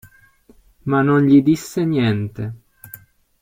Ma non gli disse niente.